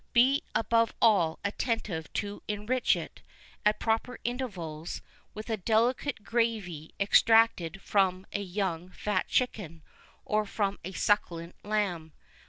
Be, above all, attentive to enrich it, at proper intervals, with a delicate gravy extracted from a young fat chicken or from a succulent lamb.